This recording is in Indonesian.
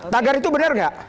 tagar itu benar nggak